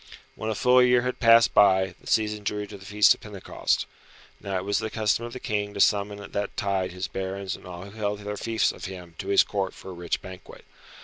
When a full year had passed by, the season drew to the Feast of Pentecost. Now it was the custom of the King to summon at that tide his barons and all who held their fiefs of him to his Court for a rich banquet.